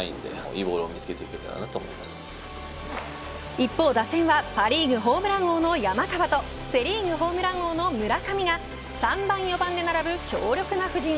一方、打線はパ・リーグホームラン王の山川とセ・リーグホームラン王の村上が３番、４番で並ぶ強力な布陣。